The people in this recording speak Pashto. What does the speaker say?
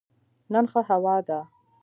نن ښه هوا ده